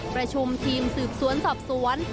ประชุมทีมสืบสวนสอบสวน